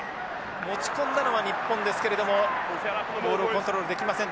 持ち込んだのは日本ですけれどもモールをコントロールできませんでした。